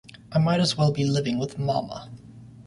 I might as well be living with mama.